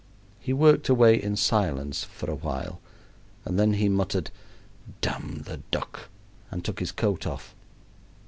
He worked away in silence for awhile, and then he muttered "Damn the duck" and took his coat off.